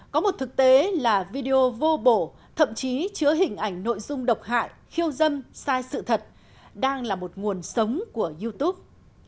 có một thực tế là video vô bổ thậm chí chứa hình ảnh nội dung độc hại khiêu dâm sai sự thật đang là một nguồn sống của youtube